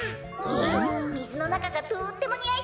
みずのなかがとってもにあいそうですね！